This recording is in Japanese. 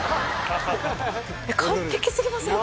完璧すぎません？